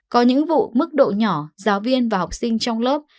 có những vụ mức độ nhỏ giáo viên và học sinh trong lớp